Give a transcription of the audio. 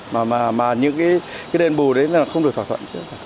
mà những cái đền bù đấy là không được thỏa thuận chứ